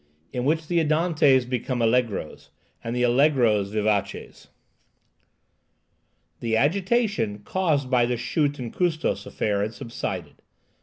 IN WHICH THE ANDANTES BECOME ALLEGROS, AND THE ALLEGROS VIVACES. The agitation caused by the Schut and Custos affair had subsided.